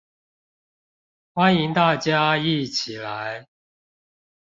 歡迎大家一起來